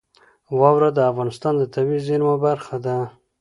واوره د افغانستان د طبیعي زیرمو برخه ده.